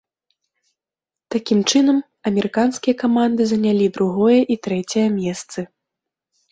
Такім чынам, амерыканскія каманды занялі другое і трэцяе месцы.